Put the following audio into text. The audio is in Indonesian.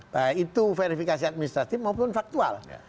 baik itu verifikasi administratif maupun faktual